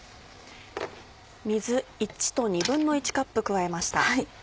水１と１／２カップ加えました。